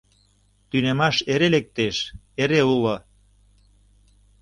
— Тунемаш эре лектеш, эре уло...